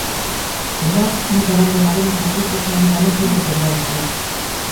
E nós nunca abandonaremos a crítica nin a nosa independencia.